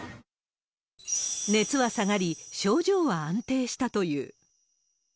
熱は下がり、症状は安定したという。